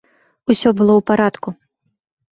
Усё было ў парадку.